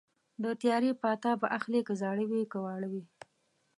د تیارې پاتا به اخلي که زاړه وي که واړه وي